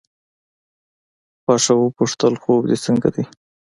خوښه وپوښتل خوب دې څنګه دی.